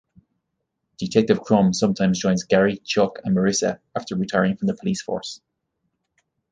Detective Crumb sometimes joins Gary, Chuck, and Marissa after retiring from the police force.